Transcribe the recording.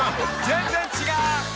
全然違う］